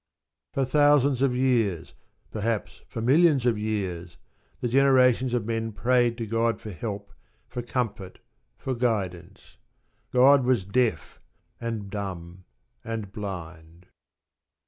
For thousands of years perhaps for millions of years the generations of men prayed to God for help, for comfort, for guidance. God was deaf, and dumb, and blind.